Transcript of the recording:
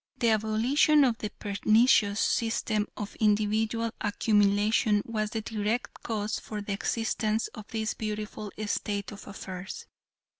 The abolition of the pernicious system of individual accumulation was the direct cause for the existence of this beautiful state of affairs.